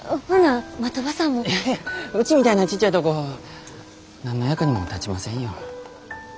いやいやうちみたいなちっちゃいとこ何の役にも立ちませんよ。